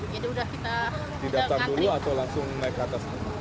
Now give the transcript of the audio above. jadi udah kita ngatik